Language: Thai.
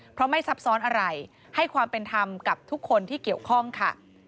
เพราะไม่ซับซ้อนอะไรให้ความเป็นธรรมกับทุกคนที่เกี่ยวข้องค่ะ